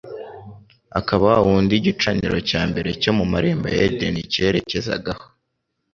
akaba Wa wundi igicaniro cya mbere cyo mu marembo ya Edeni cyerekezagaho